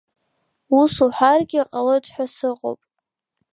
Ус уҳәаргьы ҟалоит ҳәа сыҟоуп.